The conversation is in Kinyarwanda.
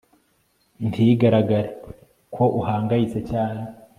ntugaragare ko uhangayitse cyane